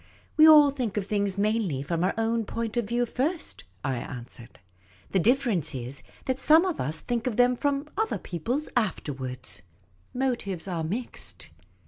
" We all think of things mainly from our own point of view first," I answered. " The difference is that some of us think of them from other people's afterwards. Motives are mixed."